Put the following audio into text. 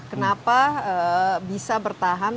kenapa bisa bertahan